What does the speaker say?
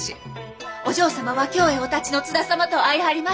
お嬢様は京へお発ちの津田様と会いはりました。